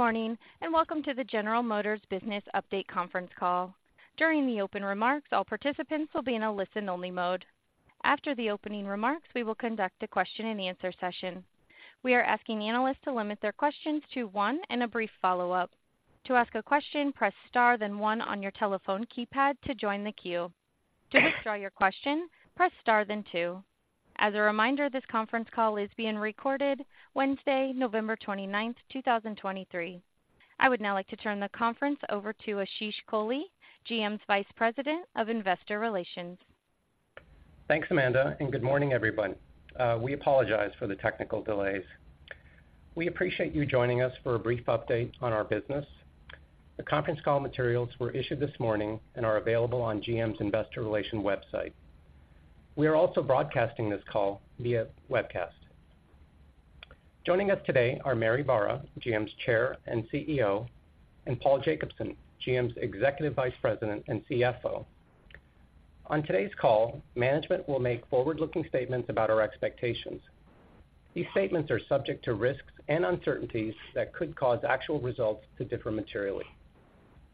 Good morning, and welcome to the General Motors Business Update conference call. During the open remarks, all participants will be in a listen-only mode. After the opening remarks, we will conduct a question-and-answer session. We are asking analysts to limit their questions to one and a brief follow-up. To ask a question, press Star, then one on your telephone keypad to join the queue. To withdraw your question, press Star then two. As a reminder, this conference call is being recorded Wednesday, November 29, 2023. I would now like to turn the conference over to Ashish Kohli, GM's Vice President of Investor Relations. Thanks, Amanda, and good morning, everyone. We apologize for the technical delays. We appreciate you joining us for a brief update on our business. The conference call materials were issued this morning and are available on GM's Investor Relations website. We are also broadcasting this call via webcast. Joining us today are Mary Barra, GM's Chair and CEO, and Paul Jacobson, GM's Executive Vice President and CFO. On today's call, management will make forward-looking statements about our expectations. These statements are subject to risks and uncertainties that could cause actual results to differ materially.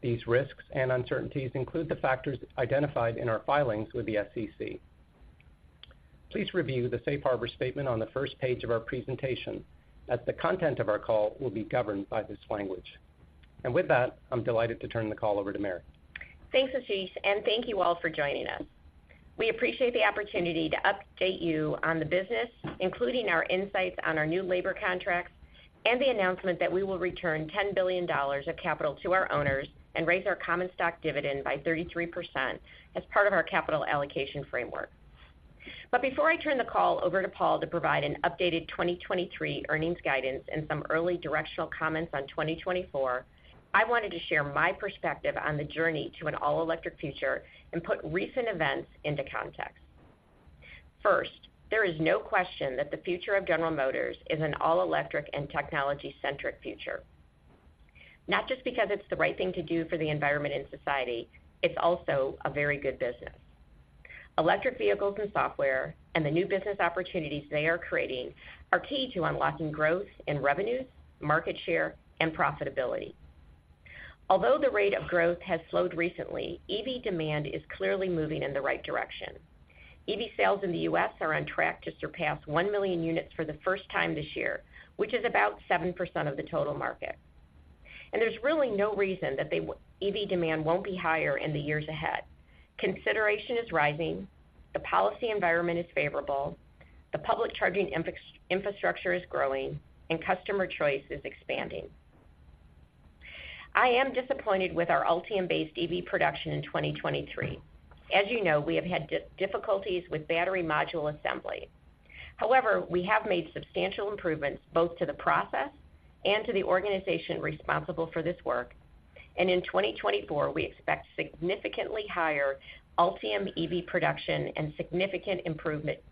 These risks and uncertainties include the factors identified in our filings with the SEC. Please review the safe harbor statement on the first page of our presentation, as the content of our call will be governed by this language. With that, I'm delighted to turn the call over to Mary. Thanks, Ashish, and thank you all for joining us. We appreciate the opportunity to update you on the business, including our insights on our new labor contracts and the announcement that we will return $10 billion of capital to our owners and raise our common stock dividend by 33% as part of our capital allocation framework. But before I turn the call over to Paul to provide an updated 2023 earnings guidance and some early directional comments on 2024, I wanted to share my perspective on the journey to an all-electric future and put recent events into context. First, there is no question that the future of General Motors is an all-electric and technology-centric future. Not just because it's the right thing to do for the environment and society, it's also a very good business. Electric vehicles and software, and the new business opportunities they are creating, are key to unlocking growth in revenues, market share, and profitability. Although the rate of growth has slowed recently, EV demand is clearly moving in the right direction. EV sales in the U.S. are on track to surpass 1 million units for the first time this year, which is about 7% of the total market, and there's really no reason that EV demand won't be higher in the years ahead. Consideration is rising, the policy environment is favorable, the public charging infrastructure is growing, and customer choice is expanding. I am disappointed with our Ultium-based EV production in 2023. As you know, we have had difficulties with battery module assembly. However, we have made substantial improvements both to the process and to the organization responsible for this work, and in 2024, we expect significantly higher Ultium EV production and significant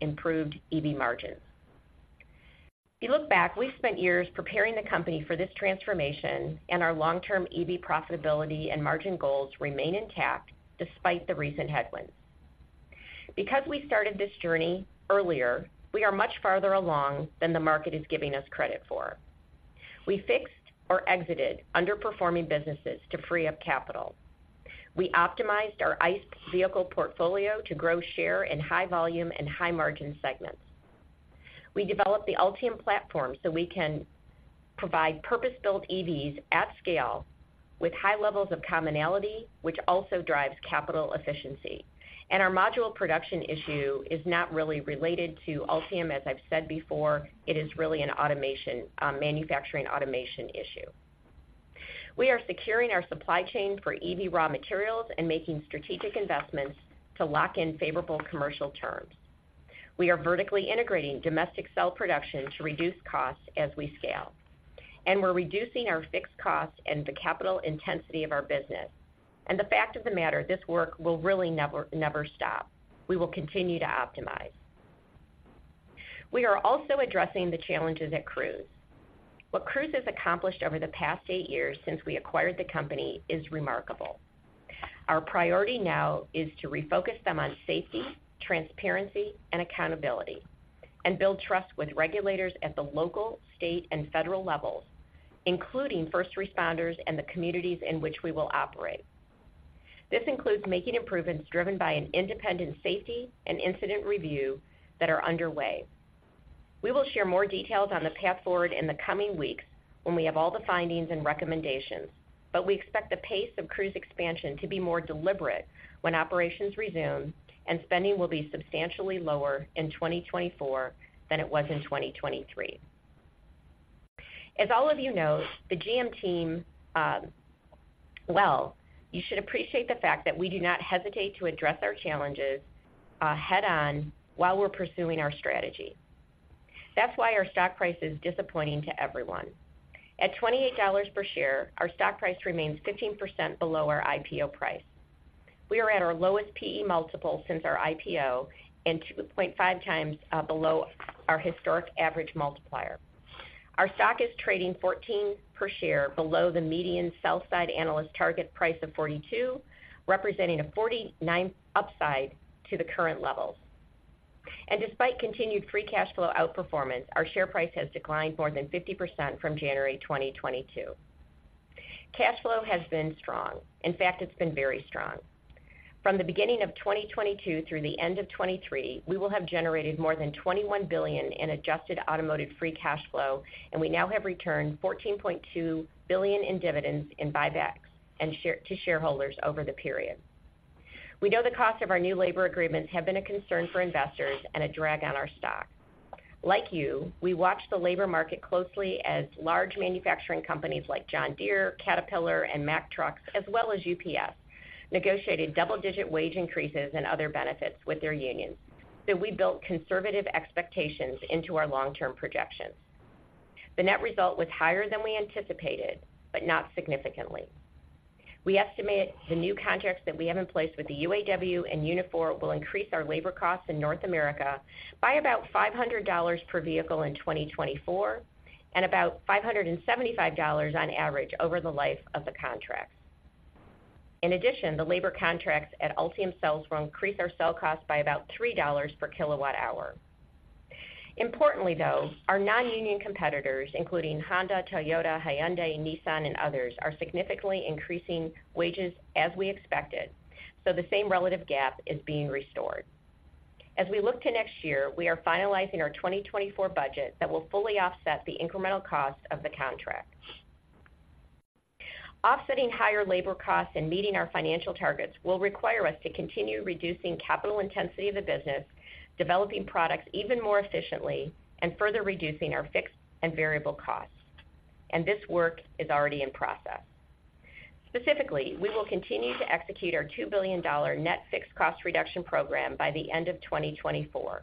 improved EV margins. If you look back, we've spent years preparing the company for this transformation, and our long-term EV profitability and margin goals remain intact despite the recent headwinds. Because we started this journey earlier, we are much farther along than the market is giving us credit for. We fixed or exited underperforming businesses to free up capital. We optimized our ICE vehicle portfolio to grow share in high volume and high-margin segments. We developed the Ultium platform so we can provide purpose-built EVs at scale with high levels of commonality, which also drives capital efficiency. And our module production issue is not really related to Ultium, as I've said before, it is really an automation, manufacturing automation issue. We are securing our supply chain for EV raw materials and making strategic investments to lock in favorable commercial terms. We are vertically integrating domestic cell production to reduce costs as we scale, and we're reducing our fixed costs and the capital intensity of our business. And the fact of the matter, this work will really never, never stop. We will continue to optimize. We are also addressing the challenges at Cruise. What Cruise has accomplished over the past eight years since we acquired the company is remarkable. Our priority now is to refocus them on safety, transparency, and accountability, and build trust with regulators at the local, state, and federal levels, including first responders and the communities in which we will operate. This includes making improvements driven by an independent safety and incident review that are underway. We will share more details on the path forward in the coming weeks when we have all the findings and recommendations, but we expect the pace of Cruise expansion to be more deliberate when operations resume, and spending will be substantially lower in 2024 than it was in 2023. As all of you know, the GM team, Well, you should appreciate the fact that we do not hesitate to address our challenges, head-on while we're pursuing our strategy. That's why our stock price is disappointing to everyone. At $28 per share, our stock price remains 15% below our IPO price. We are at our lowest P/E multiple since our IPO, and 2.5 times, below our historic average multiplier. Our stock is trading $14 per share below the median sell-side analyst target price of $42, representing a 49% upside to the current levels. Despite continued free cash flow outperformance, our share price has declined more than 50% from January 2022. Cash flow has been strong. In fact, it's been very strong. From the beginning of 2022 through the end of 2023, we will have generated more than $21 billion in adjusted automotive free cash flow, and we now have returned $14.2 billion in dividends and buybacks and shares to shareholders over the period. We know the cost of our new labor agreements have been a concern for investors and a drag on our stock. Like you, we watched the labor market closely as large manufacturing companies like John Deere, Caterpillar, and Mack Trucks, as well as UPS, negotiated double-digit wage increases and other benefits with their unions, so we built conservative expectations into our long-term projections. The net result was higher than we anticipated, but not significantly. We estimate the new contracts that we have in place with the UAW and Unifor will increase our labor costs in North America by about $500 per vehicle in 2024, and about $575 on average over the life of the contracts. In addition, the labor contracts at Ultium Cells will increase our cell costs by about $3 per kWh. Importantly, though, our non-union competitors, including Honda, Toyota, Hyundai, Nissan, and others, are significantly increasing wages as we expected, so the same relative gap is being restored. As we look to next year, we are finalizing our 2024 budget that will fully offset the incremental cost of the contract. Offsetting higher labor costs and meeting our financial targets will require us to continue reducing capital intensity of the business, developing products even more efficiently, and further reducing our fixed and variable costs, and this work is already in process. Specifically, we will continue to execute our $2 billion net fixed cost reduction program by the end of 2024.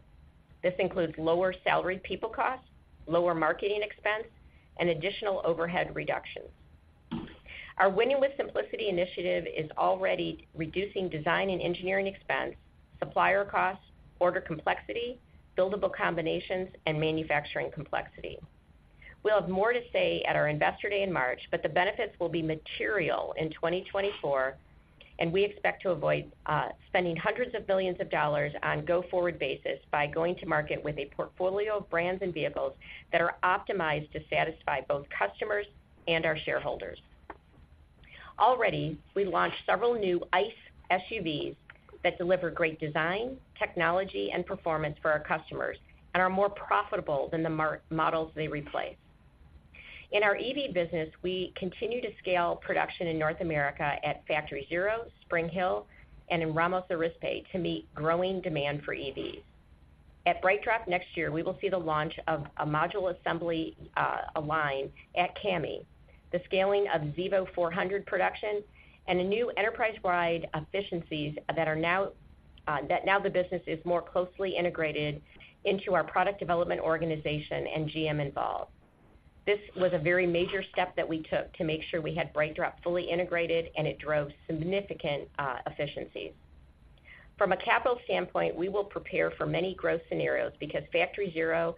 This includes lower salaried people costs, lower marketing expense, and additional overhead reductions. Our Winning with Simplicity initiative is already reducing design and engineering expense, supplier costs, order complexity, buildable combinations, and manufacturing complexity. We'll have more to say at our Investor Day in March, but the benefits will be material in 2024, and we expect to avoid spending hundreds of billions of dollars on a go-forward basis by going to market with a portfolio of brands and vehicles that are optimized to satisfy both customers and our shareholders. Already, we launched several new ICE SUVs that deliver great design, technology, and performance for our customers and are more profitable than the models they replace. In our EV business, we continue to scale production in North America at Factory ZERO, Spring Hill, and in Ramos Arizpe to meet growing demand for EVs. At BrightDrop next year, we will see the launch of a module assembly line at CAMI, the scaling of Zevo 400 production, and the new enterprise-wide efficiencies that now the business is more closely integrated into our product development organization and GM Envolve. This was a very major step that we took to make sure we had BrightDrop fully integrated, and it drove significant efficiencies. From a capital standpoint, we will prepare for many growth scenarios because Factory ZERO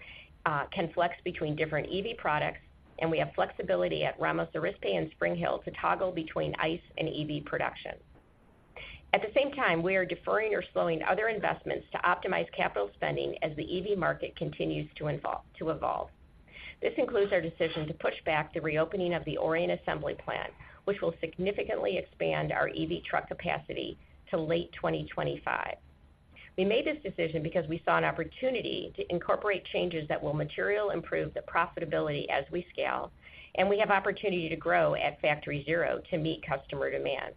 can flex between different EV products, and we have flexibility at Ramos Arizpe and Spring Hill to toggle between ICE and EV production. At the same time, we are deferring or slowing other investments to optimize capital spending as the EV market continues to evolve. This includes our decision to push back the reopening of the Orion Assembly Plant, which will significantly expand our EV truck capacity to late 2025. We made this decision because we saw an opportunity to incorporate changes that will materially improve the profitability as we scale, and we have opportunity to grow at Factory ZERO to meet customer demand.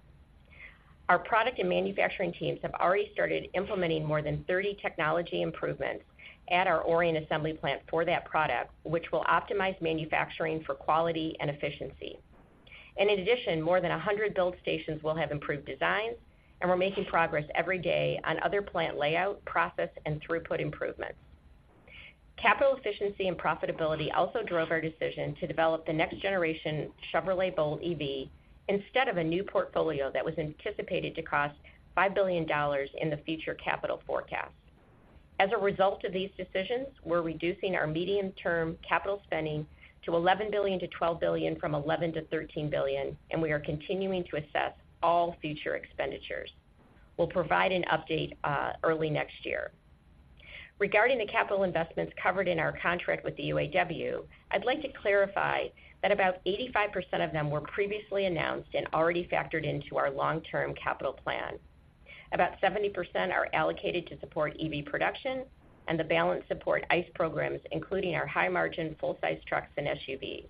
Our product and manufacturing teams have already started implementing more than 30 technology improvements at our Orion Assembly Plant for that product, which will optimize manufacturing for quality and efficiency. In addition, more than 100 build stations will have improved designs, and we're making progress every day on other plant layout, process, and throughput improvements. Capital efficiency and profitability also drove our decision to develop the next-generation Chevrolet Bolt EV instead of a new portfolio that was anticipated to cost $5 billion in the future capital forecast. As a result of these decisions, we're reducing our medium-term capital spending to $11 billion-$12 billion from $11 billion-$13 billion, and we are continuing to assess all future expenditures. We'll provide an update, early next year. Regarding the capital investments covered in our contract with the UAW, I'd like to clarify that about 85% of them were previously announced and already factored into our long-term capital plan. About 70% are allocated to support EV production, and the balance support ICE programs, including our high-margin full-size trucks and SUVs.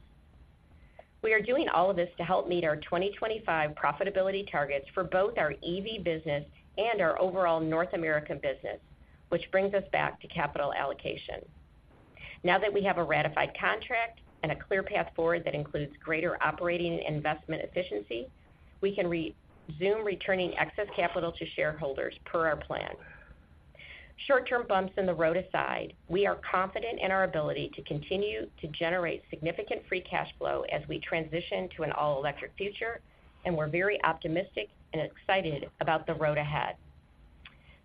We are doing all of this to help meet our 2025 profitability targets for both our EV business and our overall North America business, which brings us back to capital allocation. Now that we have a ratified contract and a clear path forward that includes greater operating and investment efficiency, we can resume returning excess capital to shareholders per our plan. Short-term bumps in the road aside, we are confident in our ability to continue to generate significant free cash flow as we transition to an all-electric future, and we're very optimistic and excited about the road ahead.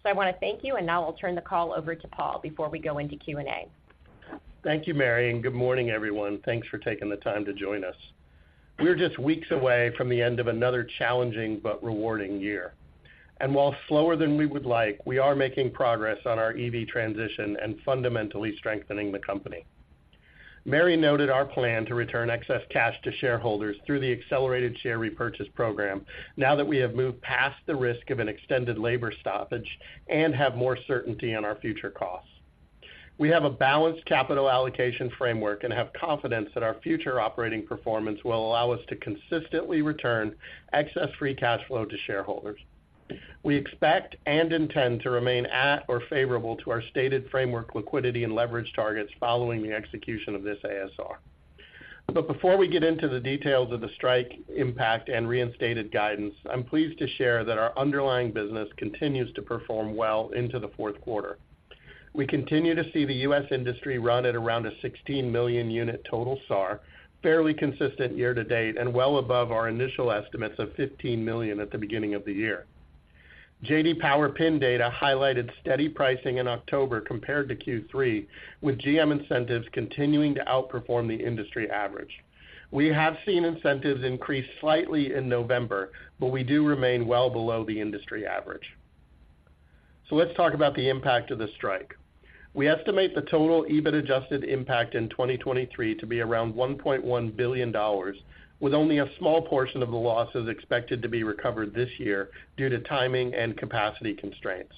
So I want to thank you, and now I'll turn the call over to Paul before we go into Q&A. Thank you, Mary, and good morning, everyone. Thanks for taking the time to join us... We're just weeks away from the end of another challenging but rewarding year. And while slower than we would like, we are making progress on our EV transition and fundamentally strengthening the company. Mary noted our plan to return excess cash to shareholders through the accelerated share repurchase program now that we have moved past the risk of an extended labor stoppage and have more certainty on our future costs. We have a balanced capital allocation framework and have confidence that our future operating performance will allow us to consistently return excess free cash flow to shareholders. We expect and intend to remain at or favorable to our stated framework, liquidity, and leverage targets following the execution of this ASR. But before we get into the details of the strike impact and reinstated guidance, I'm pleased to share that our underlying business continues to perform well into the fourth quarter. We continue to see the U.S. industry run at around a 16 million-unit total SAAR, fairly consistent year to date, and well above our initial estimates of 15 million at the beginning of the year. J.D. Power PIN data highlighted steady pricing in October compared to Q3, with GM incentives continuing to outperform the industry average. We have seen incentives increase slightly in November, but we do remain well below the industry average. So let's talk about the impact of the strike. We estimate the total EBIT-adjusted impact in 2023 to be around $1.1 billion, with only a small portion of the losses expected to be recovered this year due to timing and capacity constraints.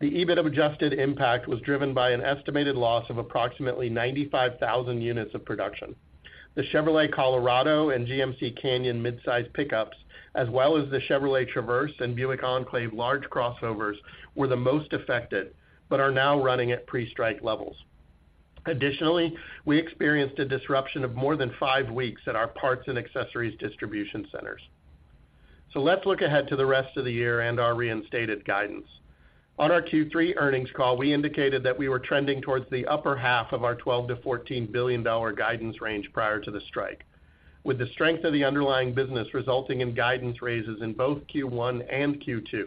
The EBIT-adjusted impact was driven by an estimated loss of approximately 95,000 units of production. The Chevrolet Colorado and GMC Canyon mid-size pickups, as well as the Chevrolet Traverse and Buick Enclave large crossovers, were the most affected, but are now running at pre-strike levels. Additionally, we experienced a disruption of more than five weeks at our parts and accessories distribution centers. So let's look ahead to the rest of the year and our reinstated guidance. On our Q3 earnings call, we indicated that we were trending towards the upper half of our $12 billion-$14 billion guidance range prior to the strike, with the strength of the underlying business resulting in guidance raises in both Q1 and Q2.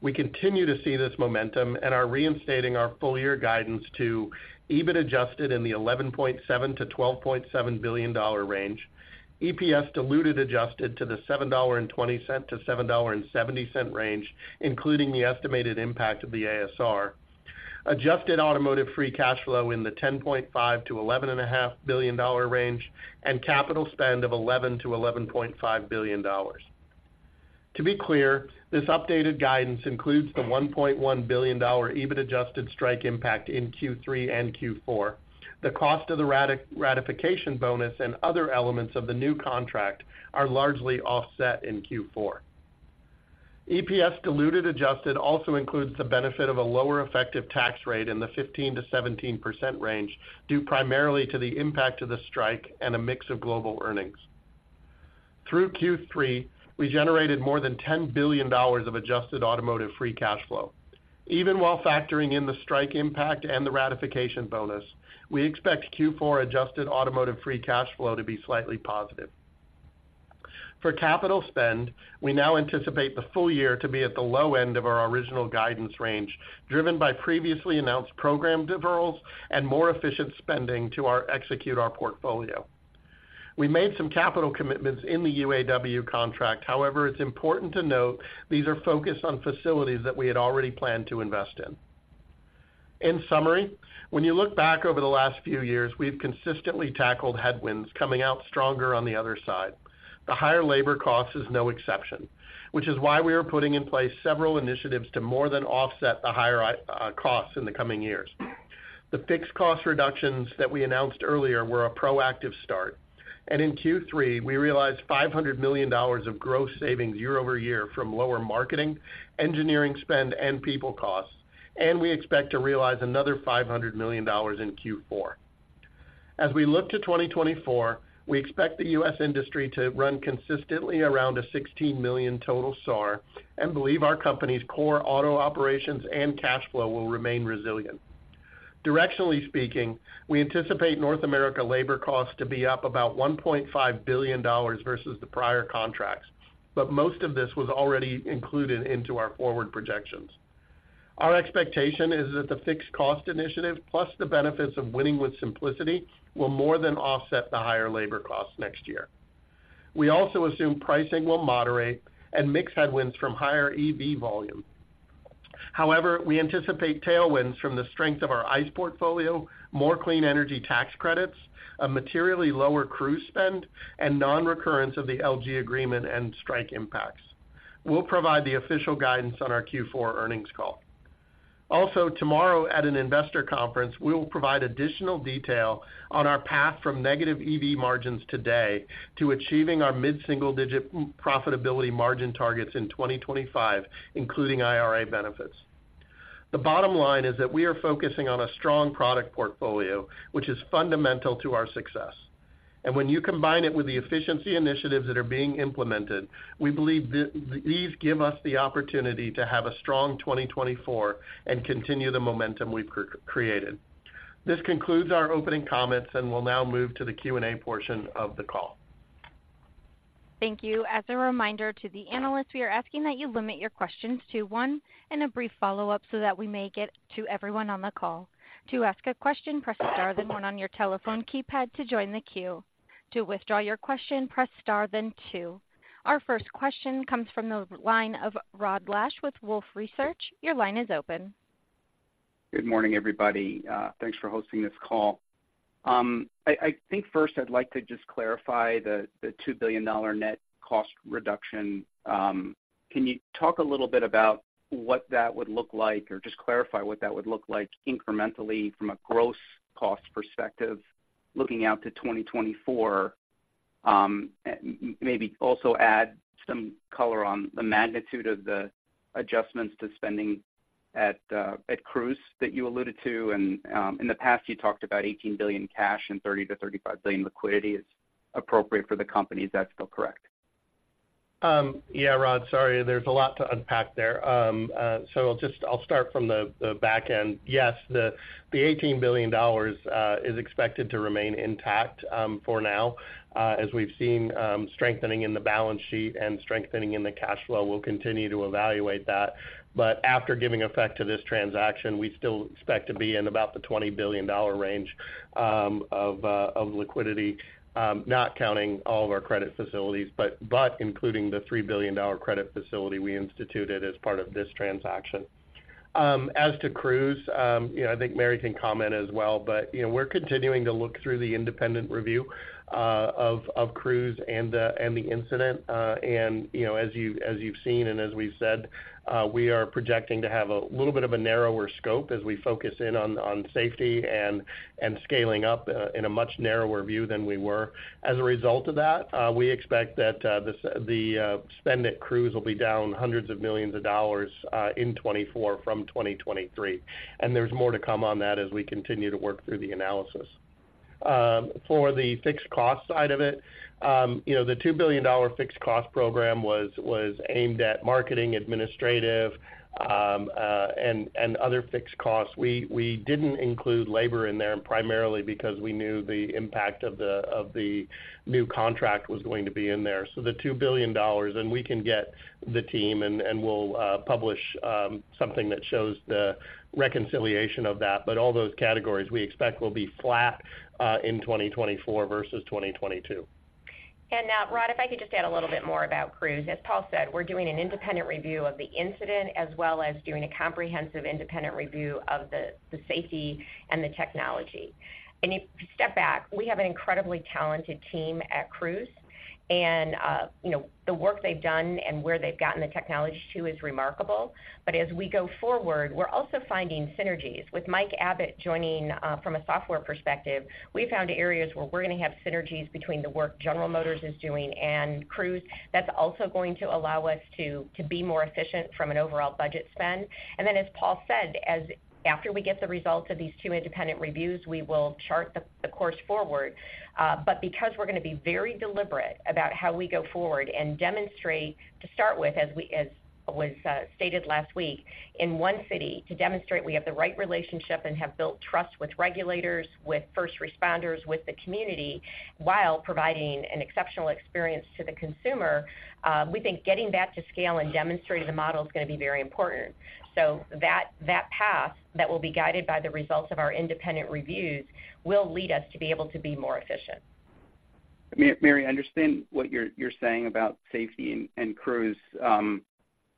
We continue to see this momentum and are reinstating our full-year guidance to EBIT-adjusted in the $11.7 billion-$12.7 billion range, EPS-diluted adjusted to the $7.20-$7.70 range, including the estimated impact of the ASR, adjusted automotive free cash flow in the $10.5 billion-$11.5 billion range, and capital spend of $11 billion-$11.5 billion. To be clear, this updated guidance includes the $1.1 billion EBIT-adjusted strike impact in Q3 and Q4. The cost of the ratification bonus and other elements of the new contract are largely offset in Q4. EPS diluted adjusted also includes the benefit of a lower effective tax rate in the 15%-17% range, due primarily to the impact of the strike and a mix of global earnings. Through Q3, we generated more than $10 billion of adjusted automotive free cash flow. Even while factoring in the strike impact and the ratification bonus, we expect Q4 adjusted automotive free cash flow to be slightly positive. For capital spend, we now anticipate the full year to be at the low end of our original guidance range, driven by previously announced program deferrals and more efficient spending to execute our portfolio. We made some capital commitments in the UAW contract. However, it's important to note these are focused on facilities that we had already planned to invest in. In summary, when you look back over the last few years, we've consistently tackled headwinds coming out stronger on the other side. The higher labor cost is no exception, which is why we are putting in place several initiatives to more than offset the higher costs in the coming years. The fixed cost reductions that we announced earlier were a proactive start, and in Q3, we realized $500 million of gross savings year-over-year from lower marketing, engineering spend, and people costs, and we expect to realize another $500 million in Q4. As we look to 2024, we expect the U.S. industry to run consistently around a 16 million total SAAR and believe our company's core auto operations and cash flow will remain resilient. Directionally speaking, we anticipate North America labor costs to be up about $1.5 billion versus the prior contracts, but most of this was already included into our forward projections. Our expectation is that the fixed cost initiative, plus the benefits of winning with simplicity, will more than offset the higher labor costs next year. We also assume pricing will moderate and mix headwinds from higher EV volume. However, we anticipate tailwinds from the strength of our ICE portfolio, more clean energy tax credits, a materially lower Cruise spend, and non-recurrence of the LG agreement and strike impacts. We'll provide the official guidance on our Q4 earnings call. Also, tomorrow, at an investor conference, we will provide additional detail on our path from negative EV margins today to achieving our mid-single-digit profitability margin targets in 2025, including IRA benefits. The bottom line is that we are focusing on a strong product portfolio, which is fundamental to our success. And when you combine it with the efficiency initiatives that are being implemented, we believe these give us the opportunity to have a strong 2024 and continue the momentum we've created. This concludes our opening comments, and we'll now move to the Q&A portion of the call. ... Thank you. As a reminder to the analysts, we are asking that you limit your questions to one and a brief follow-up so that we may get to everyone on the call. To ask a question, press star, then one on your telephone keypad to join the queue. To withdraw your question, press star, then two. Our first question comes from the line of Rod Lache with Wolfe Research. Your line is open. Good morning, everybody. Thanks for hosting this call. I think first I'd like to just clarify the $2 billion net cost reduction. Can you talk a little bit about what that would look like, or just clarify what that would look like incrementally from a gross cost perspective looking out to 2024? Maybe also add some color on the magnitude of the adjustments to spending at Cruise that you alluded to. In the past, you talked about $18 billion cash and $30-$35 billion liquidity is appropriate for the company. Is that still correct? Yeah, Rod, sorry, there's a lot to unpack there. I'll start from the back end. Yes, the $18 billion is expected to remain intact for now. As we've seen, strengthening in the balance sheet and strengthening in the cash flow, we'll continue to evaluate that. But after giving effect to this transaction, we still expect to be in about the $20 billion range of liquidity, not counting all of our credit facilities, but including the $3 billion credit facility we instituted as part of this transaction. As to Cruise, you know, I think Mary can comment as well, but you know, we're continuing to look through the independent review of Cruise and the incident. You know, as you, as you've seen and as we've said, we are projecting to have a little bit of a narrower scope as we focus in on, on safety and, and scaling up, in a much narrower view than we were. As a result of that, we expect that the spend at Cruise will be down $hundreds of millions in 2024 from 2023, and there's more to come on that as we continue to work through the analysis. For the fixed cost side of it, you know, the $2 billion fixed cost program was aimed at marketing, administrative, and other fixed costs. We didn't include labor in there, and primarily because we knew the impact of the new contract was going to be in there. So the $2 billion, and we can get the team, and we'll publish something that shows the reconciliation of that, but all those categories we expect will be flat in 2024 versus 2022. Rod, if I could just add a little bit more about Cruise. As Paul said, we're doing an independent review of the incident, as well as doing a comprehensive independent review of the safety and the technology. And if you step back, we have an incredibly talented team at Cruise, and you know, the work they've done and where they've gotten the technology to is remarkable. But as we go forward, we're also finding synergies. With Mike Abbott joining from a software perspective, we found areas where we're going to have synergies between the work General Motors is doing and Cruise. That's also going to allow us to be more efficient from an overall budget spend. And then, as Paul said, after we get the results of these two independent reviews, we will chart the course forward. But because we're going to be very deliberate about how we go forward and demonstrate, to start with, as was stated last week, in one city to demonstrate we have the right relationship and have built trust with regulators, with first responders, with the community, while providing an exceptional experience to the consumer, we think getting back to scale and demonstrating the model is going to be very important. So that, that path that will be guided by the results of our independent reviews will lead us to be able to be more efficient. Mary, I understand what you're saying about safety and Cruise,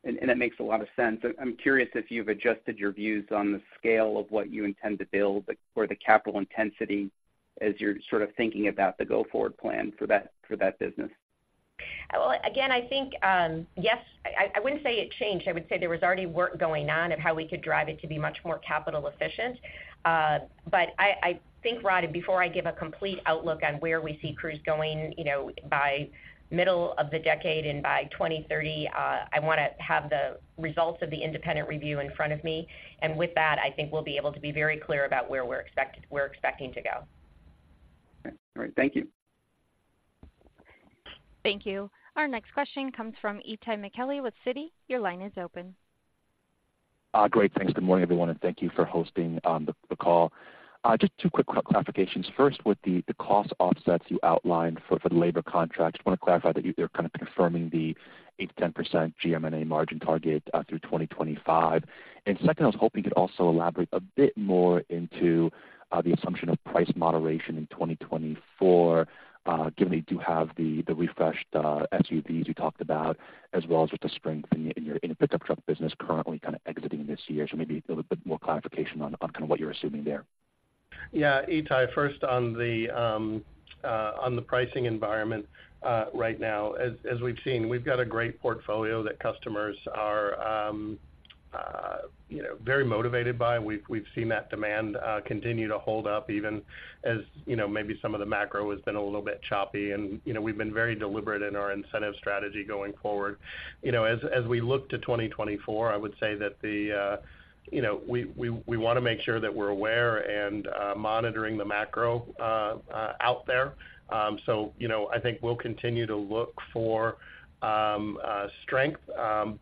and it makes a lot of sense. I'm curious if you've adjusted your views on the scale of what you intend to build or the capital intensity as you're sort of thinking about the go-forward plan for that business. Well, again, I think, yes, I wouldn't say it changed. I would say there was already work going on of how we could drive it to be much more capital efficient. But I think, Rod, before I give a complete outlook on where we see Cruise going, you know, by middle of the decade and by 2030, I want to have the results of the independent review in front of me. And with that, I think we'll be able to be very clear about where we're expecting to go. All right. Thank you. Thank you. Our next question comes from Itay Michaeli with Citi. Your line is open. Great, thanks. Good morning, everyone, and thank you for hosting the call. Just two quick clarifications. First, with the cost offsets you outlined for the labor contract, just want to clarify that you're kind of confirming the 8%-10% GMNA margin target through 2025. And second, I was hoping you could also elaborate a bit more into the assumption of price moderation in 2024, given that you do have the refreshed SUVs you talked about, as well as with the strength in your pickup truck business currently kind of exiting this year. So maybe a little bit more clarification on kind of what you're assuming there. Yeah, Itay, first on the pricing environment, right now, as we've seen, we've got a great portfolio that customers are, you know, very motivated by. We've seen that demand continue to hold up even as, you know, maybe some of the macro has been a little bit choppy, and, you know, we've been very deliberate in our incentive strategy going forward. You know, as we look to 2024, I would say that, you know, we want to make sure that we're aware and monitoring the macro out there. So, you know, I think we'll continue to look for strength,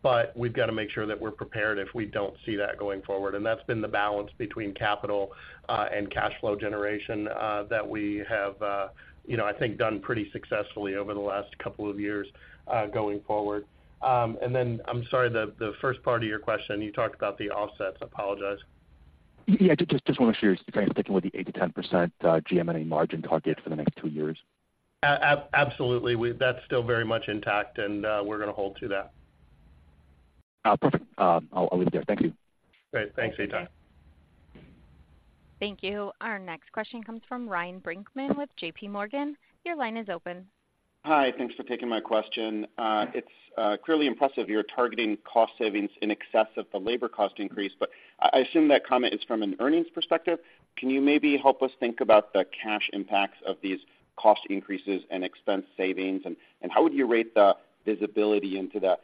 but we've got to make sure that we're prepared if we don't see that going forward. That's been the balance between capital and cash flow generation that we have, you know, I think, done pretty successfully over the last couple of years, going forward. Then I'm sorry, the first part of your question, you talked about the offsets. I apologize.... Yeah, just, just want to make sure you're sticking with the 8%-10% GM&A margin target for the next two years? Absolutely. That's still very much intact, and we're going to hold to that. Perfect. I'll, I'll leave it there. Thank you. Great. Thanks, Itay. Thank you. Our next question comes from Ryan Brinkman with JP Morgan. Your line is open. Hi, thanks for taking my question. It's clearly impressive you're targeting cost savings in excess of the labor cost increase, but I assume that comment is from an earnings perspective. Can you maybe help us think about the cash impacts of these cost increases and expense savings, and how would you rate the visibility into the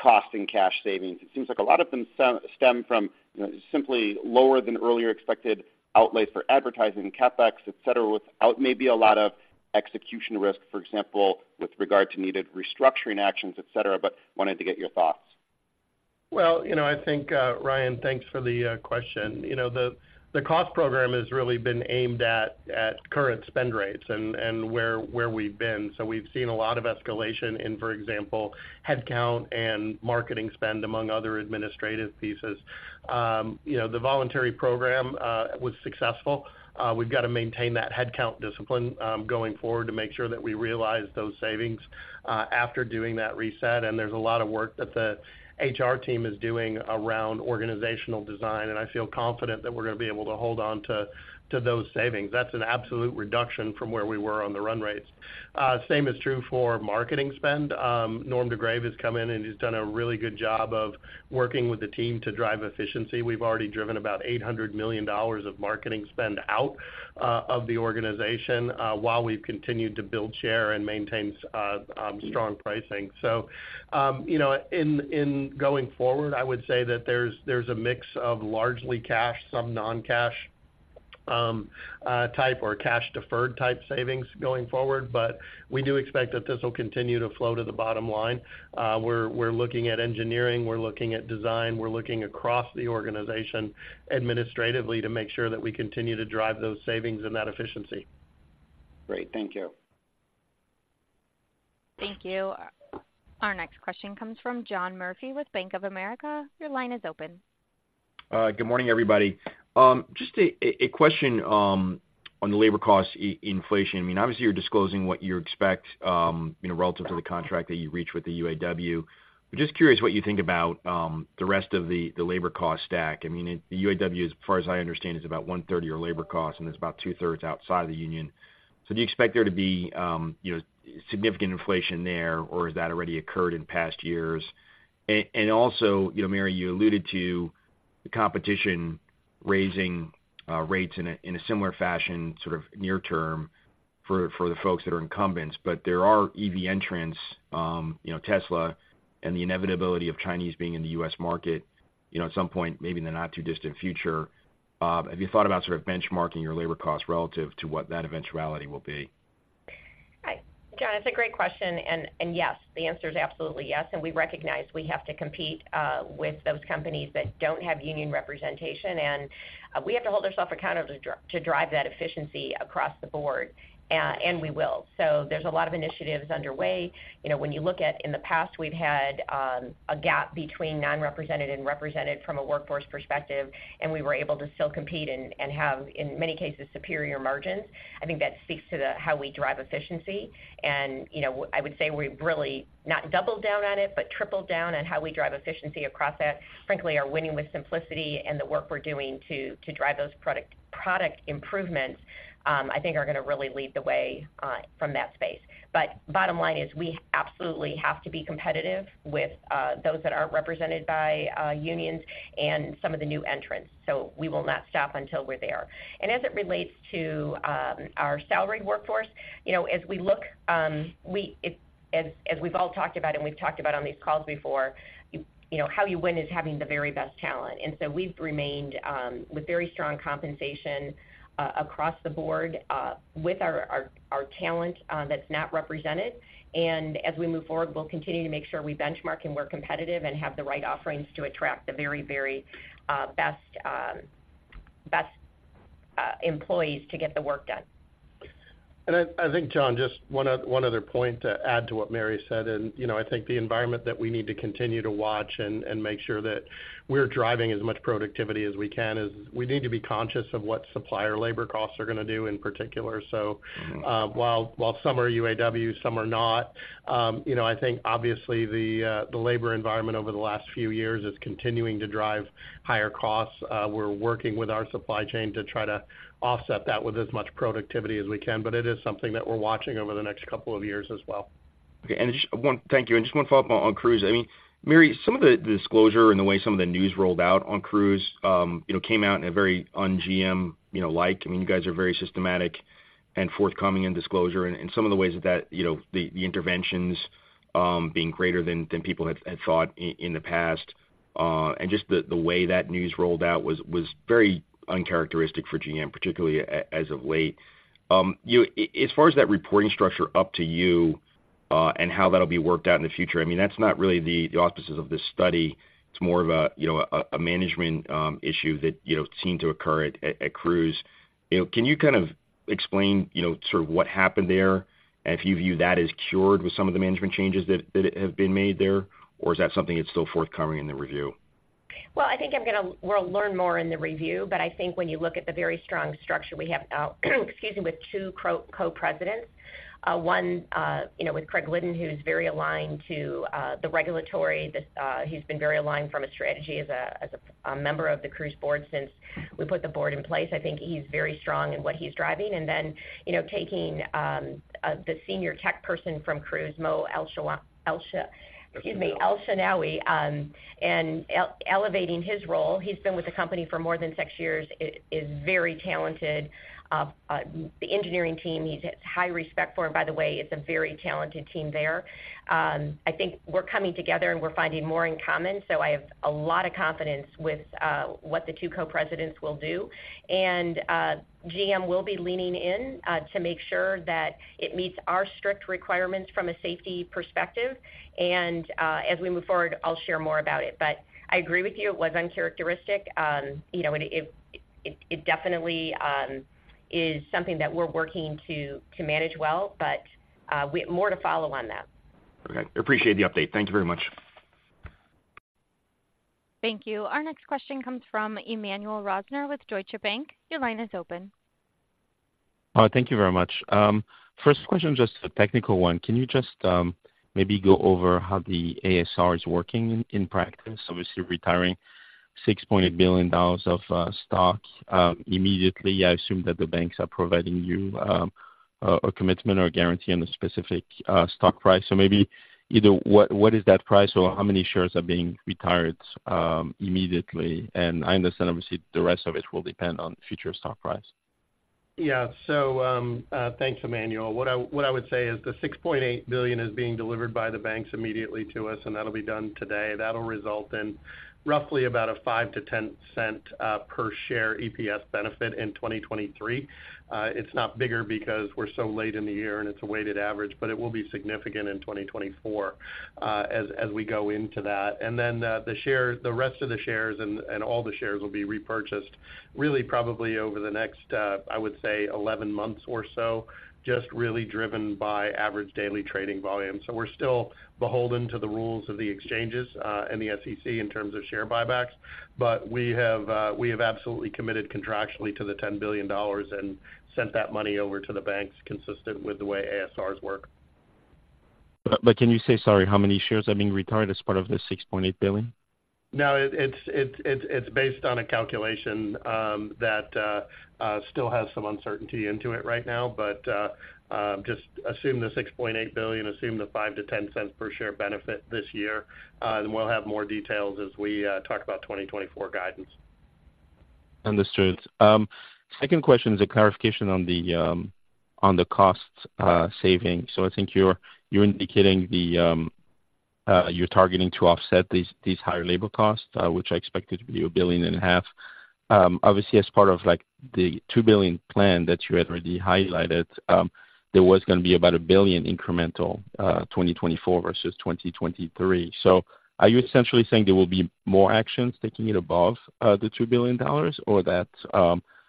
cost and cash savings? It seems like a lot of them stem from, you know, simply lower than earlier expected outlays for advertising, CapEx, et cetera, without maybe a lot of execution risk, for example, with regard to needed restructuring actions, et cetera. But wanted to get your thoughts. Well, you know, I think, Ryan, thanks for the question. You know, the cost program has really been aimed at current spend rates and where we've been. So we've seen a lot of escalation in, for example, headcount and marketing spend, among other administrative pieces. You know, the voluntary program was successful. We've got to maintain that headcount discipline going forward to make sure that we realize those savings after doing that reset. And there's a lot of work that the HR team is doing around organizational design, and I feel confident that we're going to be able to hold on to those savings. That's an absolute reduction from where we were on the run rates. Same is true for marketing spend. Norm de Greve has come in, and he's done a really good job of working with the team to drive efficiency. We've already driven about $800 million of marketing spend out, of the organization, while we've continued to build share and maintain, strong pricing. So, you know, in going forward, I would say that there's a mix of largely cash, some non-cash, type or cash-deferred type savings going forward, but we do expect that this will continue to flow to the bottom line. We're looking at engineering, we're looking at design, we're looking across the organization administratively to make sure that we continue to drive those savings and that efficiency. Great. Thank you. Thank you. Our next question comes from John Murphy with Bank of America. Your line is open. Good morning, everybody. Just a question on the labor cost inflation. I mean, obviously, you're disclosing what you expect, you know, relative to the contract that you reach with the UAW. But just curious what you think about the rest of the labor cost stack. I mean, the UAW, as far as I understand, is about one-third of your labor cost, and it's about two-thirds outside of the union. So do you expect there to be, you know, significant inflation there, or has that already occurred in past years? And also, you know, Mary, you alluded to the competition raising rates in a similar fashion, sort of near term for the folks that are incumbents, but there are EV entrants, you know, Tesla and the inevitability of Chinese being in the U.S. market, you know, at some point, maybe in the not too distant future. Have you thought about sort of benchmarking your labor costs relative to what that eventuality will be? Hi, John, it's a great question, and yes, the answer is absolutely yes. We recognize we have to compete with those companies that don't have union representation, and we have to hold ourselves accountable to drive that efficiency across the board, and we will. So there's a lot of initiatives underway. You know, when you look at, in the past, we've had a gap between non-represented and represented from a workforce perspective, and we were able to still compete and have, in many cases, superior margins. I think that speaks to how we drive efficiency. You know, I would say we've really not doubled down on it, but tripled down on how we drive efficiency across that. Frankly, our winning with simplicity and the work we're doing to drive those product improvements, I think are going to really lead the way from that space. But bottom line is, we absolutely have to be competitive with those that aren't represented by unions and some of the new entrants, so we will not stop until we're there. And as it relates to our salaried workforce, you know, as we look, as we've all talked about and we've talked about on these calls before, you know, how you win is having the very best talent. And so we've remained with very strong compensation across the board with our talent that's not represented. As we move forward, we'll continue to make sure we benchmark and we're competitive and have the right offerings to attract the very, very best employees to get the work done. And I think, John, just one other point to add to what Mary said, and, you know, I think the environment that we need to continue to watch and make sure that we're driving as much productivity as we can is we need to be conscious of what supplier labor costs are going to do in particular. While some are UAW, some are not, you know, I think obviously the labor environment over the last few years is continuing to drive higher costs. We're working with our supply chain to try to offset that with as much productivity as we can, but it is something that we're watching over the next couple of years as well. Okay, and just one... Thank you. And just one follow-up on Cruise. I mean, Mary, some of the disclosure and the way some of the news rolled out on Cruise, you know, came out in a very un-GM, you know, like. I mean, you guys are very systematic and forthcoming in disclosure and some of the ways that, you know, the interventions being greater than people had thought in the past, and just the way that news rolled out was very uncharacteristic for GM, particularly as of late. As far as that reporting structure up to you, and how that'll be worked out in the future, I mean, that's not really the auspices of this study. It's more of a, you know, management issue that, you know, seemed to occur at Cruise. You know, can you kind of explain, you know, sort of what happened there? And if you view that as cured with some of the management changes that have been made there, or is that something that's still forthcoming in the review?... Well, I think I'm going to-- we'll learn more in the review, but I think when you look at the very strong structure we have, excuse me, with two co-presidents, one, you know, with Craig Glidden, who's very aligned to the regulatory. That, he's been very aligned from a strategy as a member of the Cruise board since we put the board in place. I think he's very strong in what he's driving. And then, you know, taking the senior tech person from Cruise, Mo Elshenawy. Elshenawy. Excuse me, Elshenawy, and elevating his role. He's been with the company for more than six years, is very talented. The engineering team, he's had high respect for him. By the way, it's a very talented team there. I think we're coming together, and we're finding more in common, so I have a lot of confidence with what the two co-presidents will do. And, GM will be leaning in, to make sure that it meets our strict requirements from a safety perspective. And, as we move forward, I'll share more about it. But I agree with you, it was uncharacteristic. You know, and it definitely is something that we're working to manage well, but, we... More to follow on that. Okay. I appreciate the update. Thank you very much. Thank you. Our next question comes from Emmanuel Rosner with Deutsche Bank. Your line is open. Thank you very much. First question, just a technical one. Can you just maybe go over how the ASR is working in practice? Obviously, retiring $6.8 billion of stock immediately, I assume that the banks are providing you a commitment or a guarantee on the specific stock price. So maybe either what is that price, or how many shares are being retired immediately? I understand, obviously, the rest of it will depend on future stock price. Yeah. So, thanks, Emmanuel. What I would say is the $6.8 billion is being delivered by the banks immediately to us, and that'll be done today. That'll result in roughly about a $0.05-$0.10 per share EPS benefit in 2023. It's not bigger because we're so late in the year, and it's a weighted average, but it will be significant in 2024, as we go into that. And then, the shares, the rest of the shares and all the shares will be repurchased, really, probably over the next, I would say, 11 months or so, just really driven by average daily trading volume. So we're still beholden to the rules of the exchanges, and the SEC in terms of share buybacks. But we have, we have absolutely committed contractually to the $10 billion and sent that money over to the banks, consistent with the way ASRs work. But can you say, sorry, how many shares are being retired as part of the $6.8 billion? No, it's based on a calculation that still has some uncertainty into it right now. But, just assume the $6.8 billion, assume the five-10 cents per share benefit this year, and we'll have more details as we talk about 2024 guidance. Understood. Second question is a clarification on the cost saving. So I think you're indicating you're targeting to offset these higher labor costs, which I expect it to be $1.5 billion. Obviously, as part of, like, the $2 billion plan that you had already highlighted, there was going to be about $1 billion incremental, 2024 versus 2023. So are you essentially saying there will be more actions taking it above the $2 billion? Or that...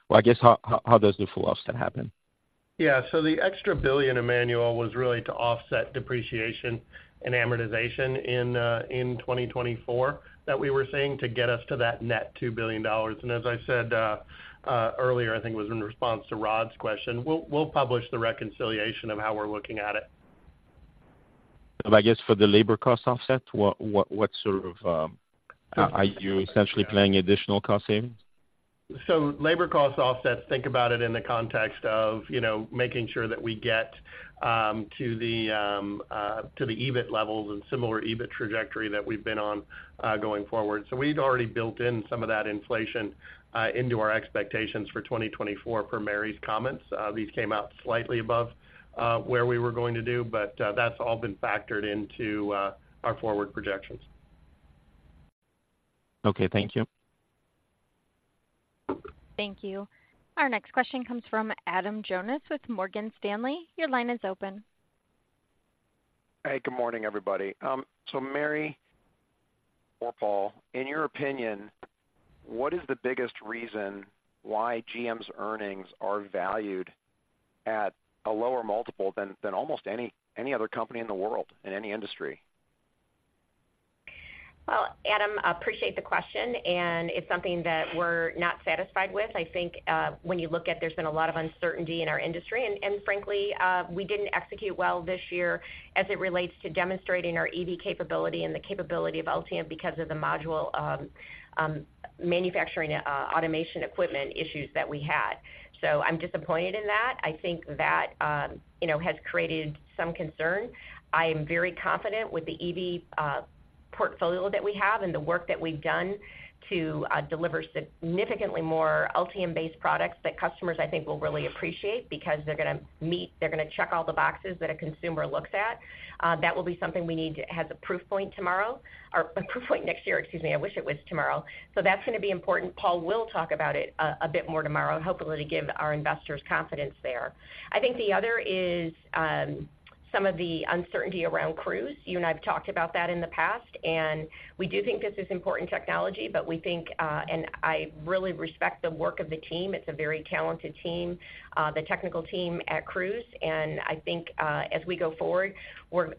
Well, I guess, how does the full offset happen? Yeah. So the extra $1 billion, Emmanuel, was really to offset depreciation and amortization in 2024, that we were saying, to get us to that net $2 billion. And as I said earlier, I think it was in response to Rod's question, we'll publish the reconciliation of how we're looking at it. But I guess for the labor cost offset, what sort of are you essentially planning additional cost savings? So labor cost offsets, think about it in the context of, you know, making sure that we get to the EBIT levels and similar EBIT trajectory that we've been on, going forward. So we'd already built in some of that inflation into our expectations for 2024, per Mary's comments. These came out slightly above where we were going to do, but that's all been factored into our forward projections. Okay, thank you. Thank you. Our next question comes from Adam Jonas with Morgan Stanley. Your line is open. Hey, good morning, everybody. So Mary or Paul, in your opinion, what is the biggest reason why GM's earnings are valued at a lower multiple than almost any other company in the world, in any industry? Well, Adam, I appreciate the question, and it's something that we're not satisfied with. I think, when you look at, there's been a lot of uncertainty in our industry, and frankly, we didn't execute well this year as it relates to demonstrating our EV capability and the capability of Ultium because of the module manufacturing automation equipment issues that we had. So I'm disappointed in that. I think that, you know, has created some concern. I am very confident with the EV portfolio that we have and the work that we've done to deliver significantly more Ultium-based products that customers, I think, will really appreciate because they're going to check all the boxes that a consumer looks at. That will be something we need to have the proof point tomorrow, or a proof point next year, excuse me, I wish it was tomorrow. So that's going to be important. Paul will talk about it a bit more tomorrow, hopefully, to give our investors confidence there. I think the other is some of the uncertainty around Cruise. You and I have talked about that in the past, and we do think this is important technology, but we think and I really respect the work of the team. It's a very talented team, the technical team at Cruise. And I think, as we go forward,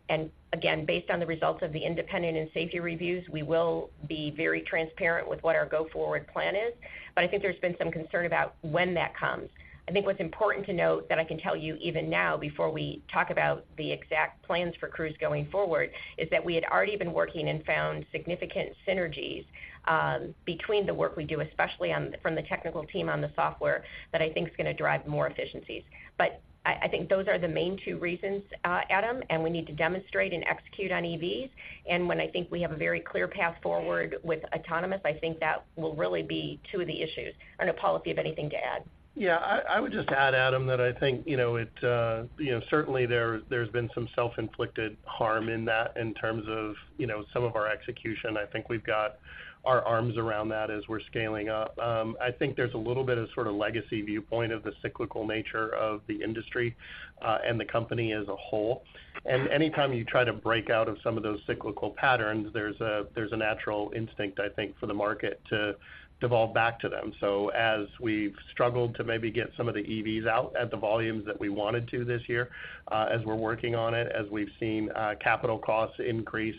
and again, based on the results of the independent and safety reviews, we will be very transparent with what our go-forward plan is. But I think there's been some concern about when that comes. I think what's important to note that I can tell you even now before we talk about the exact plans for Cruise going forward, is that we had already been working and found significant synergies, between the work we do, especially on, from the technical team on the software, that I think is going to drive more efficiencies. But I, I think those are the main two reasons, Adam, and we need to demonstrate and execute on EVs. And when I think we have a very clear path forward with autonomous, I think that will really be two of the issues. I don't know, Paul, if you have anything to add. Yeah, I would just add, Adam, that I think, you know, it, you know, certainly there, there's been some self-inflicted harm in that in terms of, you know, some of our execution. I think we've got our arms around that as we're scaling up. I think there's a little bit of sort of legacy viewpoint of the cyclical nature of the industry, and the company as a whole. And anytime you try to break out of some of those cyclical patterns, there's a natural instinct, I think, for the market to devolve back to them. So as we've struggled to maybe get some of the EVs out at the volumes that we wanted to this year, as we're working on it, as we've seen, capital costs increase,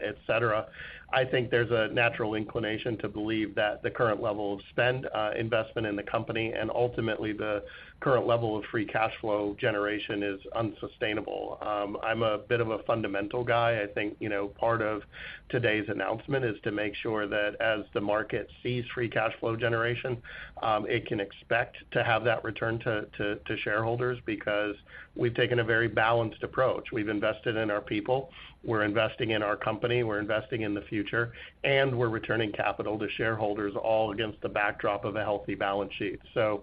et cetera, I think there's a natural inclination to believe that the current level of spend, investment in the company, and ultimately, the current level of free cash flow generation is unsustainable. I'm a bit of a fundamental guy. I think, you know, part of today's announcement is to make sure that as the market sees free cash flow generation, it can expect to have that return to shareholders because we've taken a very balanced approach. We've invested in our people, we're investing in our company, we're investing in the future, and we're returning capital to shareholders, all against the backdrop of a healthy balance sheet. So,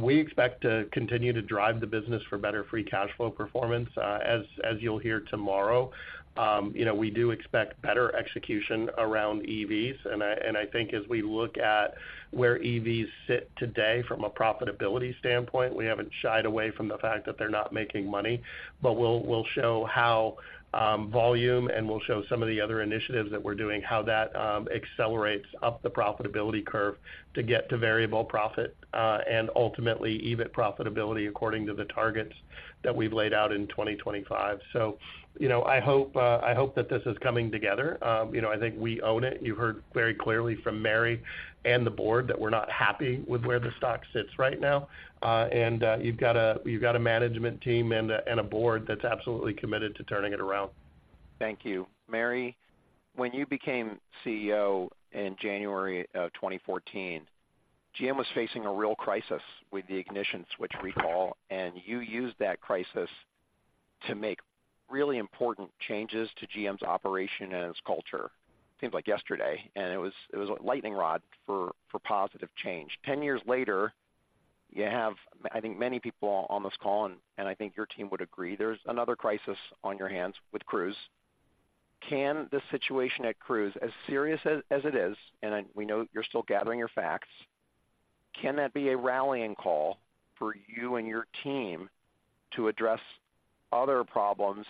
we expect to continue to drive the business for better free cash flow performance. As you'll hear tomorrow, you know, we do expect better execution around EVs, and I think as we look at where EVs sit today from a profitability standpoint, we haven't shied away from the fact that they're not making money, but we'll show how volume and we'll show some of the other initiatives that we're doing, how that accelerates up the profitability curve to get to variable profit, and ultimately, EBIT profitability according to the targets that we've laid out in 2025. So, you know, I hope that this is coming together. You know, I think we own it. You heard very clearly from Mary and the board that we're not happy with where the stock sits right now. You've got a management team and a board that's absolutely committed to turning it around. Thank you. Mary, when you became CEO in January 2014, GM was facing a real crisis with the ignition switch recall, and you used that crisis to make really important changes to GM's operation and its culture. Seems like yesterday, and it was, it was a lightning rod for, for positive change. 10 years later, you have, I think, many people on this call, and, and I think your team would agree, there's another crisis on your hands with Cruise. Can the situation at Cruise, as serious as it is, and I- we know you're still gathering your facts, can that be a rallying call for you and your team to address other problems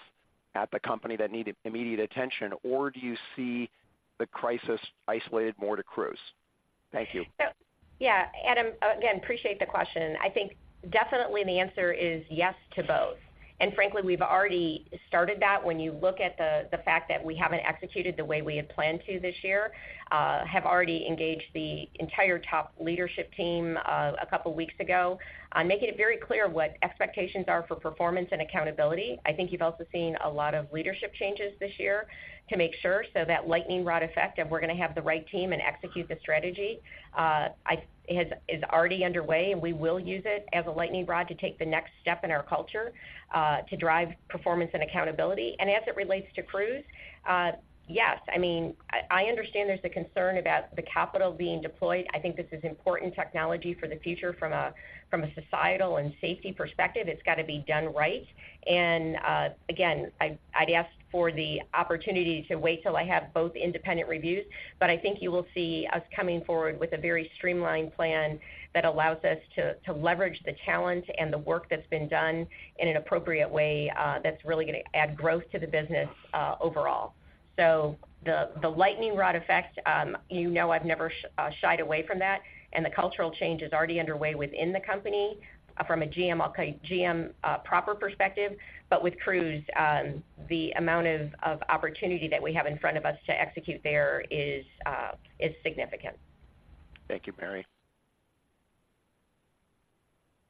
at the company that need immediate attention, or do you see the crisis isolated more to Cruise? Thank you. So, yeah, Adam, again, appreciate the question. I think definitely the answer is yes to both. And frankly, we've already started that when you look at the fact that we haven't executed the way we had planned to this year. We have already engaged the entire top leadership team a couple of weeks ago, making it very clear what expectations are for performance and accountability. I think you've also seen a lot of leadership changes this year to make sure so that lightning rod effect, and we're going to have the right team and execute the strategy. It is already underway, and we will use it as a lightning rod to take the next step in our culture to drive performance and accountability. And as it relates to Cruise, yes, I mean, I understand there's a concern about the capital being deployed. I think this is important technology for the future from a societal and safety perspective. It's got to be done right. And again, I'd asked for the opportunity to wait till I have both independent reviews, but I think you will see us coming forward with a very streamlined plan that allows us to leverage the talent and the work that's been done in an appropriate way, that's really going to add growth to the business overall. So the lightning rod effect, you know I've never shied away from that, and the cultural change is already underway within the company from a GM proper perspective. But with Cruise, the amount of opportunity that we have in front of us to execute there is significant. Thank you, Mary.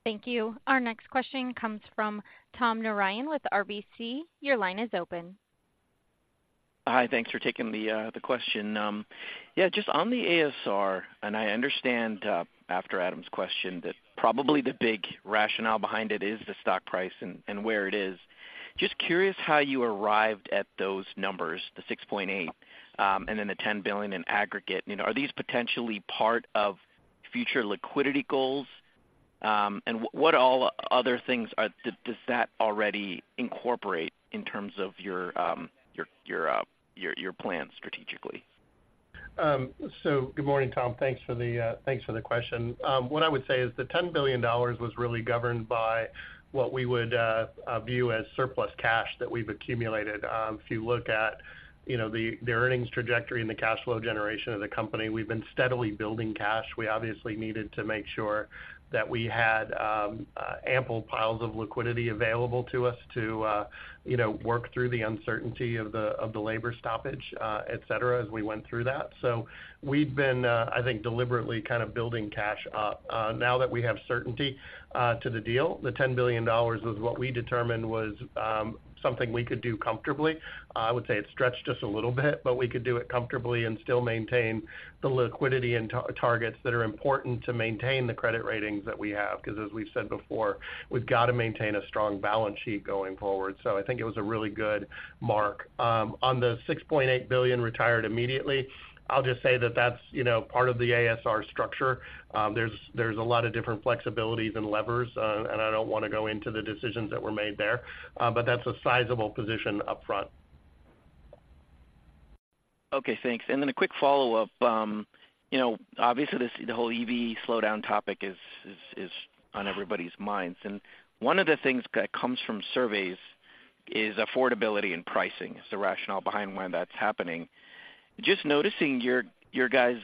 Thank you. Our next question comes from Tom Narayan with RBC. Your line is open. Hi, thanks for taking the question. Yeah, just on the ASR, and I understand, after Adam's question, that probably the big rationale behind it is the stock price and, and where it is... Just curious how you arrived at those numbers, the $6.8 billion, and then the $10 billion in aggregate. You know, are these potentially part of future liquidity goals? And what all other things are—does that already incorporate in terms of your plan strategically? Good morning, Tom. Thanks for the question. What I would say is the $10 billion was really governed by what we would view as surplus cash that we've accumulated. If you look at, you know, the earnings trajectory and the cash flow generation of the company, we've been steadily building cash. We obviously needed to make sure that we had ample piles of liquidity available to us to, you know, work through the uncertainty of the labor stoppage, et cetera, as we went through that. So we've been, I think, deliberately kind of building cash up. Now that we have certainty to the deal, the $10 billion was what we determined was something we could do comfortably. I would say it stretched us a little bit, but we could do it comfortably and still maintain the liquidity and targets that are important to maintain the credit ratings that we have. Because, as we've said before, we've got to maintain a strong balance sheet going forward. So I think it was a really good mark. On the $6.8 billion retired immediately, I'll just say that that's, you know, part of the ASR structure. There's a lot of different flexibilities and levers, and I don't want to go into the decisions that were made there, but that's a sizable position upfront. Okay, thanks. And then a quick follow-up. You know, obviously, this, the whole EV slowdown topic is on everybody's minds, and one of the things that comes from surveys is affordability and pricing is the rationale behind why that's happening. Just noticing your guys,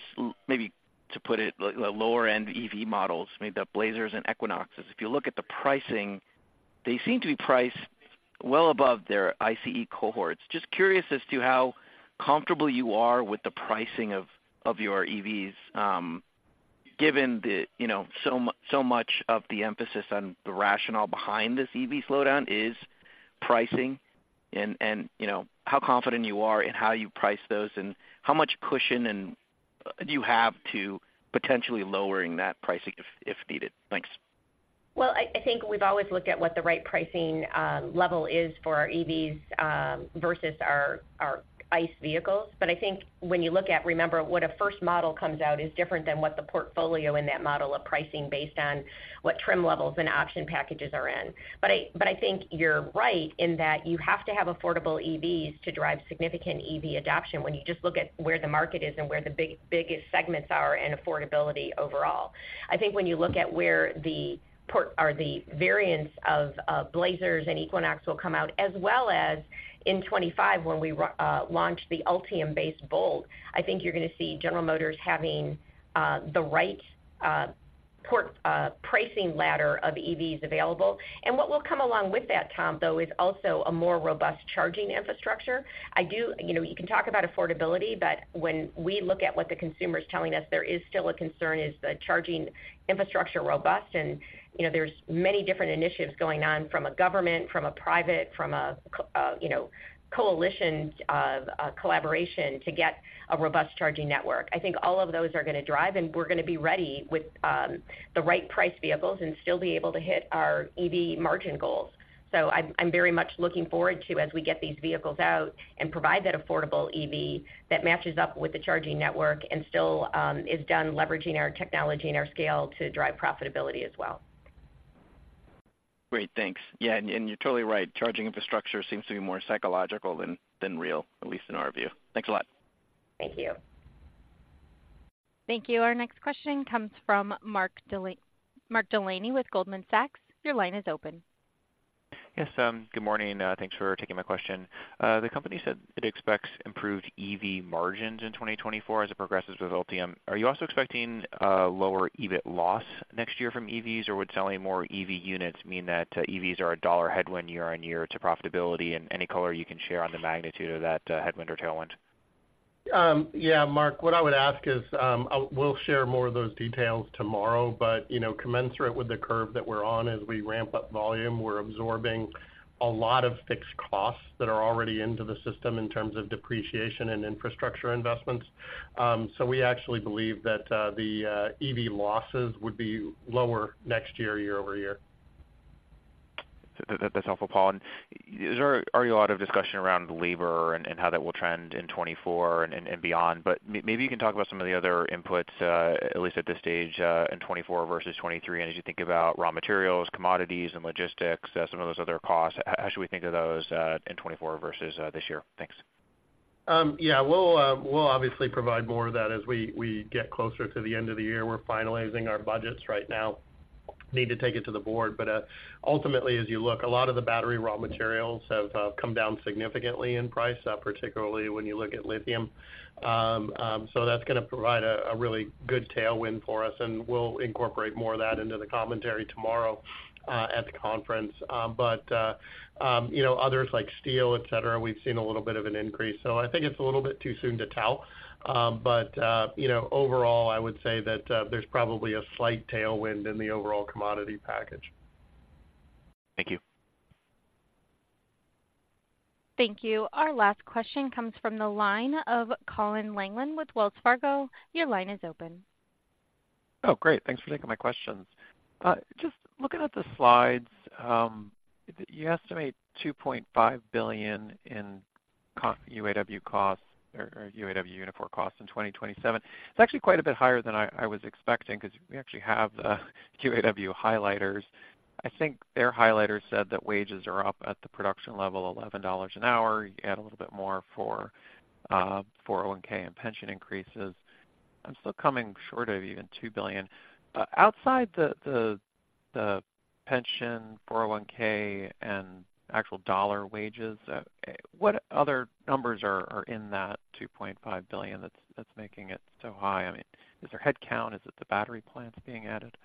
maybe to put it, the lower-end EV models, maybe the Blazers and Equinoxes. If you look at the pricing, they seem to be priced well above their ICE cohorts. Just curious as to how comfortable you are with the pricing of your EVs, given the, you know, so much of the emphasis on the rationale behind this EV slowdown is pricing, and you know, how confident you are in how you price those, and how much cushion and do you have to potentially lowering that pricing if needed? Thanks. Well, I think we've always looked at what the right pricing level is for our EVs versus our ICE vehicles. But I think when you look at, remember, what a first model comes out is different than what the portfolio in that model of pricing based on what trim levels and option packages are in. But I think you're right in that you have to have affordable EVs to drive significant EV adoption when you just look at where the market is and where the biggest segments are in affordability overall. I think when you look at where the portfolio of variants of Blazer and Equinox will come out, as well as in 2025, when we launch the Ultium-based Bolt, I think you're going to see General Motors having the right portfolio pricing ladder of EVs available. And what will come along with that, Tom, though, is also a more robust charging infrastructure. I do. You know, you can talk about affordability, but when we look at what the consumer's telling us, there is still a concern, is the charging infrastructure robust? And you know, there's many different initiatives going on from a government, from a private, from a coalition of collaboration to get a robust charging network. I think all of those are going to drive, and we're going to be ready with the right price vehicles and still be able to hit our EV margin goals. So I'm very much looking forward to, as we get these vehicles out and provide that affordable EV that matches up with the charging network and still is done leveraging our technology and our scale to drive profitability as well. Great, thanks. Yeah, and you're totally right. Charging infrastructure seems to be more psychological than real, at least in our view. Thanks a lot. Thank you. Thank you. Our next question comes from Mark Delaney with Goldman Sachs. Your line is open. Yes, good morning, thanks for taking my question. The company said it expects improved EV margins in 2024 as it progresses with Ultium. Are you also expecting a lower EBIT loss next year from EVs, or would selling more EV units mean that EVs are a dollar headwind year-over-year to profitability, and any color you can share on the magnitude of that, headwind or tailwind? Yeah, Mark, what I would ask is we'll share more of those details tomorrow, but, you know, commensurate with the curve that we're on as we ramp up volume, we're absorbing a lot of fixed costs that are already into the system in terms of depreciation and infrastructure investments. So we actually believe that the EV losses would be lower next year, year-over-year. That's helpful, Paul. Is there a lot of discussion around labor and how that will trend in 2024 and beyond? But maybe you can talk about some of the other inputs, at least at this stage, in 2024 versus 2023. And as you think about raw materials, commodities, and logistics, some of those other costs, how should we think of those, in 2024 versus this year? Thanks. Yeah. We'll obviously provide more of that as we get closer to the end of the year. We're finalizing our budgets right now, need to take it to the board. But ultimately, as you look, a lot of the battery raw materials have come down significantly in price, particularly when you look at lithium. So that's going to provide a really good tailwind for us, and we'll incorporate more of that into the commentary tomorrow at the conference. But you know, others like steel, et cetera, we've seen a little bit of an increase, so I think it's a little bit too soon to tell. But you know, overall, I would say that there's probably a slight tailwind in the overall commodity package. Thank you. Thank you. Our last question comes from the line of Colin Langan with Wells Fargo. Your line is open.... Oh, great! Thanks for taking my questions. Just looking at the slides, you estimate $2.5 billion in UAW costs or UAW Unifor costs in 2027. It's actually quite a bit higher than I was expecting, 'cause we actually have the UAW highlights. I think their highlights said that wages are up at the production level, $11 an hour. You add a little bit more for 401 and pension increases. I'm still coming short of even $2 billion. Outside the pension, 401, and actual dollar wages, what other numbers are in that $2.5 billion that's making it so high? I mean, is there head count? Is it the battery plants being added?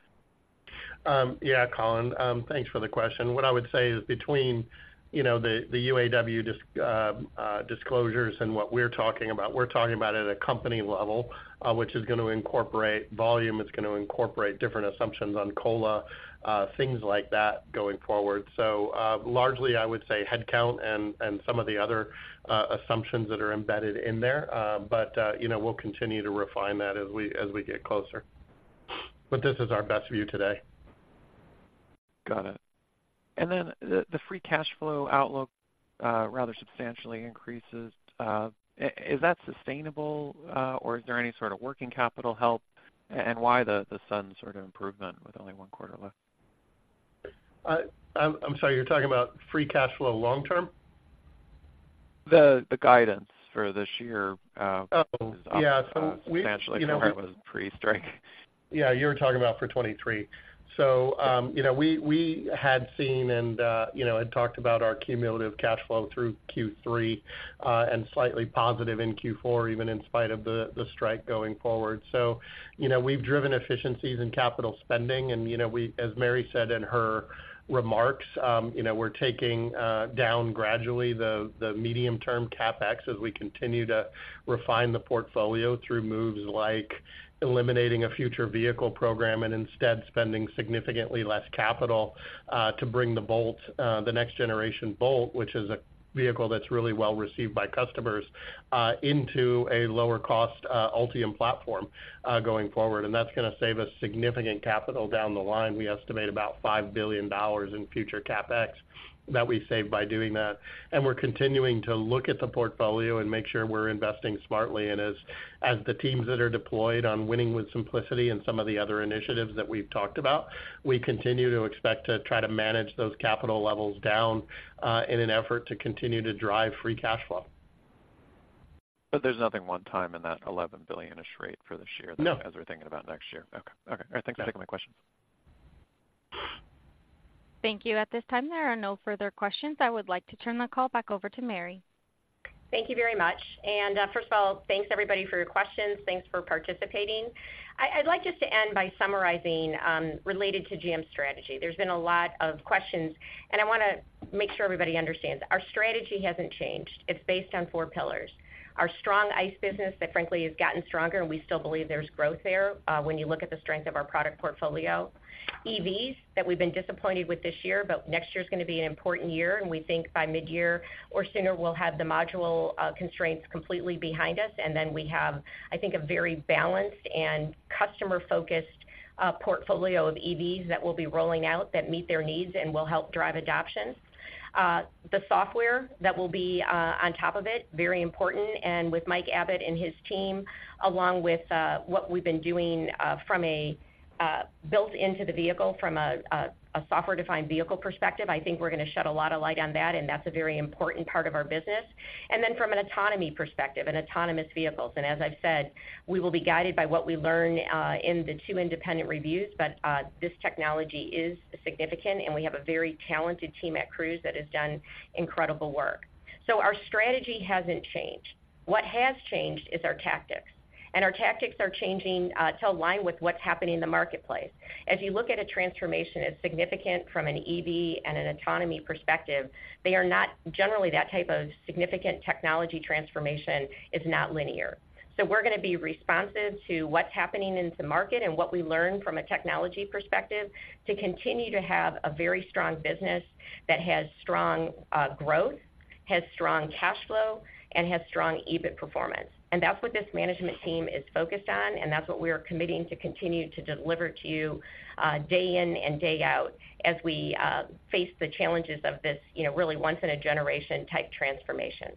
Yeah, Colin, thanks for the question. What I would say is between, you know, the, the UAW disclosures and what we're talking about, we're talking about at a company level, which is gonna incorporate volume, it's gonna incorporate different assumptions on COLA, things like that going forward. So, largely, I would say headcount and, and some of the other assumptions that are embedded in there. But, you know, we'll continue to refine that as we, as we get closer. But this is our best view today. Got it. And then the free cash flow outlook rather substantially increases. Is that sustainable, or is there any sort of working capital help? And why the sudden sort of improvement with only one quarter left? I'm sorry, you're talking about free cash flow long term? The guidance for this year. Oh, yeah -is substantially different than pre-strike. Yeah, you were talking about 2023. So, you know, we had seen and, you know, had talked about our cumulative cash flow through Q3, and slightly positive in Q4, even in spite of the strike going forward. So, you know, we've driven efficiencies in capital spending and, you know, as Mary said in her remarks, you know, we're taking down gradually the medium-term CapEx as we continue to refine the portfolio through moves like eliminating a future vehicle program and instead spending significantly less capital to bring the Bolt, the next generation Bolt, which is a vehicle that's really well received by customers, into a lower cost Ultium platform going forward. And that's gonna save us significant capital down the line. We estimate about $5 billion in future CapEx that we save by doing that. We're continuing to look at the portfolio and make sure we're investing smartly. As the teams that are deployed on winning with simplicity and some of the other initiatives that we've talked about, we continue to expect to try to manage those capital levels down in an effort to continue to drive free cash flow. But there's nothing one-time in that $11 billion-ish rate for this year- No As we're thinking about next year. Okay. Okay. All right, thanks for taking my questions. Thank you. At this time, there are no further questions. I would like to turn the call back over to Mary. Thank you very much. And, first of all, thanks, everybody, for your questions. Thanks for participating. I'd like just to end by summarizing, related to GM strategy. There's been a lot of questions, and I wanna make sure everybody understands. Our strategy hasn't changed. It's based on four pillars: Our strong ICE business that, frankly, has gotten stronger, and we still believe there's growth there, when you look at the strength of our product portfolio. EVs, that we've been disappointed with this year, but next year's gonna be an important year, and we think by midyear or sooner, we'll have the module, constraints completely behind us, and then we have, I think, a very balanced and customer-focused, portfolio of EVs that we'll be rolling out that meet their needs and will help drive adoption. The software that will be on top of it [is] very important. With Mike Abbott and his team, along with what we've been doing from a built into the vehicle from a software-defined vehicle perspective, I think we're gonna shed a lot of light on that, and that's a very important part of our business. Then from an autonomy perspective and autonomous vehicles, and as I've said, we will be guided by what we learn in the two independent reviews, but this technology is significant, and we have a very talented team at Cruise that has done incredible work. Our strategy hasn't changed. What has changed is our tactics, and our tactics are changing to align with what's happening in the marketplace. As you look at a transformation as significant from an EV and an autonomy perspective, they are not... Generally, that type of significant technology transformation is not linear. So we're gonna be responsive to what's happening in the market and what we learn from a technology perspective to continue to have a very strong business that has strong, growth, has strong cash flow, and has strong EBIT performance. And that's what this management team is focused on, and that's what we are committing to continue to deliver to you, day in and day out as we, face the challenges of this, you know, really once-in-a-generation type transformation.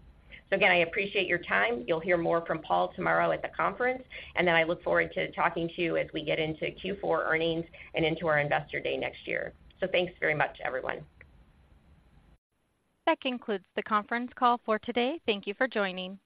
So again, I appreciate your time. You'll hear more from Paul tomorrow at the conference, and then I look forward to talking to you as we get into Q4 earnings and into our Investor Day next year. Thanks very much, everyone. That concludes the conference call for today. Thank you for joining.